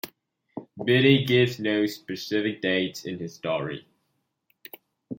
Bede gives no specific dates in his story.